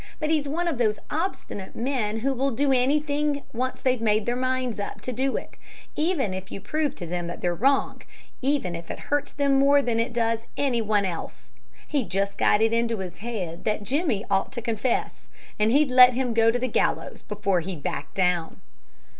But he's one of these obstinate men who will do anything they've made up their minds to do, even if you prove to them that they're wrong, even if it hurts them more than it does any one else. He's just got it into his head that Jimmie ought to confess, and he'd let him go to the gallows before he'd back down."